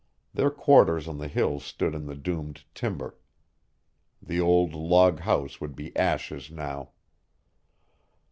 Their quarters on the hill stood in the doomed timber. The old log house would be ashes now.